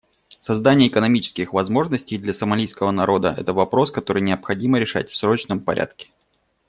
Создание экономических возможностей для сомалийского народа — это вопрос, который необходимо решать в срочном порядке.